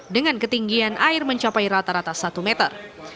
dengan ketinggian air mencapai rata rata satu meter